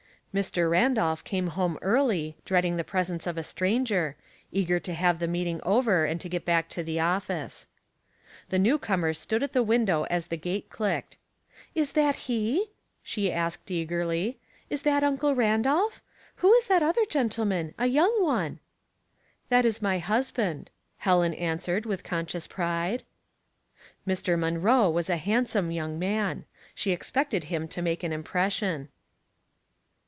Mr. Randolph came home early, dreading the presence of a stranger — eager to have the meet ing over and to get back to his office. The new comer stood at the window as the gate clicked. " Is that he ?" she asked, eagerly. " Is that (Jncle Randolph ? Who is that other gentleman — a young one?" " That is my husband," Helen answered, with conscious pride. Mr. Munroe was a handsome young man — she expected him to make an impression.